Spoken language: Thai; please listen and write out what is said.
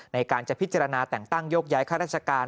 ในการจะพิจารณาแต่งตั้งโยกย้ายข้าราชการ